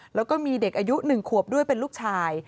แล้วก็มีเด็กอายุ๑ขวบด้วยเป็นลูกชาย